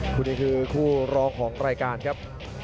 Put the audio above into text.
คู่นี้คือคู่ร้องของรายการครับ